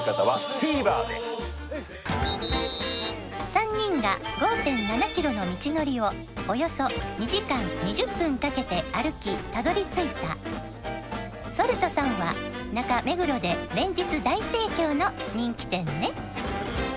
３人が５．７キロの道のりをおよそ２時間２０分かけて歩きたどり着いたＳａｌｔさんは中目黒で連日大盛況の人気店ね